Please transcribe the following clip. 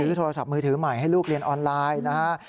ซื้อโทรศัพท์มือถือใหม่ให้ลูกเรียนออนไลน์นะฮะ